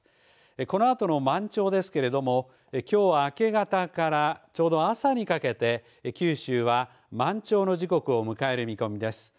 このあとの満潮ですけれどもきょう明け方からちょうど朝にかけて九州は満潮の時刻を迎える見込みです。